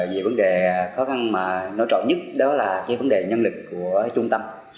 vì vấn đề khó khăn mà nói rõ nhất đó là vấn đề nhân lực của trung tâm